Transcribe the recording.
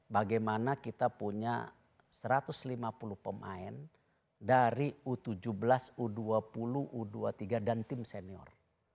bagaimana kita punya satu ratus lima puluh pemain dari u tujuh belas u dua puluh u dua puluh tiga dan tim senior